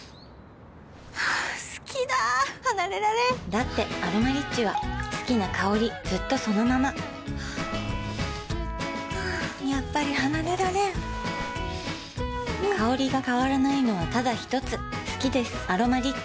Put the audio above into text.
好きだ離れられんだって「アロマリッチ」は好きな香りずっとそのままやっぱり離れられん香りが変わらないのはただひとつ好きです「アロマリッチ」